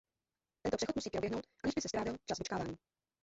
Tento přechod musí proběhnout, aniž by se trávil čas vyčkáváním.